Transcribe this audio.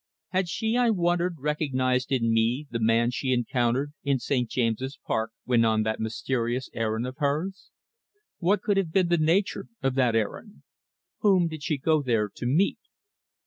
Had she, I wondered, recognised in me the man she encountered in St. James's Park when on that mysterious errand of hers? What could have been the nature of that errand? Whom did she go there to meet?